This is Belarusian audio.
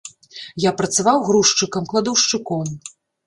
Я працаваў грузчыкам, кладаўшчыком.